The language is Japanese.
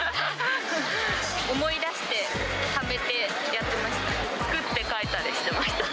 思い出して、ためてやってました。